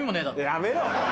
やめろ！